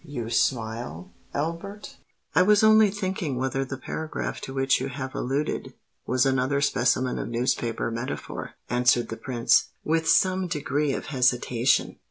You smile, Albert?" "I was only thinking whether the paragraph to which you have alluded, was another specimen of newspaper metaphor," answered the Prince, with some degree of hesitation.